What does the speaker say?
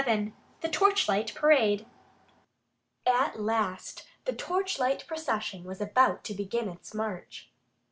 VII THE TORCHLIGHT PARADE At last the torchlight procession was about to begin its march.